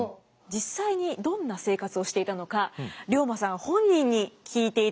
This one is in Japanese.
実際にどんな生活をしていたのか龍馬さん本人に聞いていただきたいと思います。